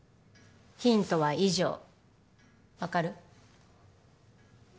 ヒントは以上分かる？